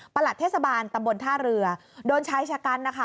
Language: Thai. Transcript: หลัดเทศบาลตำบลท่าเรือโดนชายชะกันนะคะ